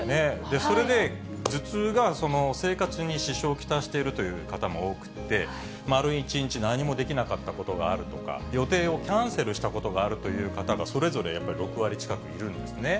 それで、頭痛が生活に支障を来しているという方も多くて、丸１日何もできなかったことがあるとか、予定をキャンセルしたことがあるという方が、それぞれ６割近くいるんですね。